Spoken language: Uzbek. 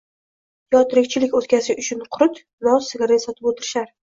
Yoki tirikchilik oʻtkazish uchun qurut, nos, sigaret sotib oʻtirishar...